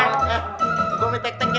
eh eh gue mau tek tek ya